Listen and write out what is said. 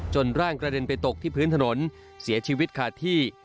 ร่างกระเด็นไปตกที่พื้นถนนเสียชีวิตขาดที่